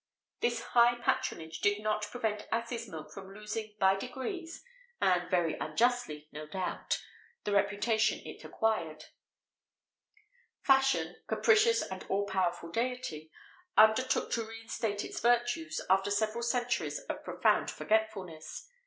This high patronage did not prevent asses' milk from losing by degrees and very unjustly, no doubt the reputation it acquired.[XVIII 19] Fashion capricious and all powerful deity undertook to re instate its virtues, after several centuries of profound forgetfulness.